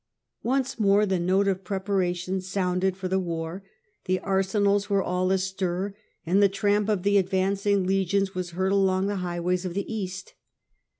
Once more the note of preparation sounded for the war, the arsenals were all astir, and the tramp of the advancing legions was heard along the highways of the east.